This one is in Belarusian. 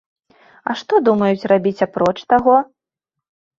А што думаюць рабіць апроч таго?